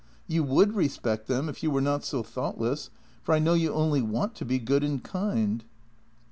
You 'would respect them if you were not so thoughtless, for I know you only want to be good and kind."